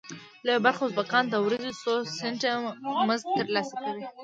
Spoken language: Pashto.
لویه برخه ازبکان د ورځې څو سنټه مزد تر لاسه کوي.